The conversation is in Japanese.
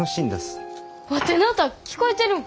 ワテの歌聞こえてるん？